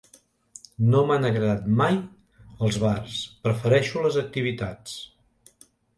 No m'han agradat mai els bars, prefereixo les activitats.